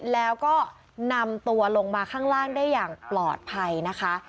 แล้วก็นำตัวลงมาข้างล่างได้อย่างปลอดภัยนะคะ